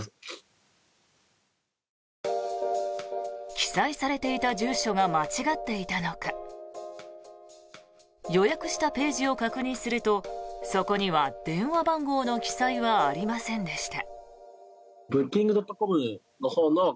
記載されていた住所が間違っていたのか予約したページを確認するとそこには電話番号の記載はありませんでした。